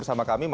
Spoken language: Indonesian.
a sampai z